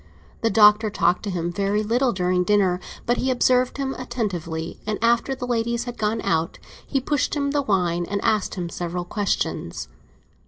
The Doctor talked to him very little during dinner; but he observed him attentively, and after the ladies had gone out he pushed him the wine and asked him several questions.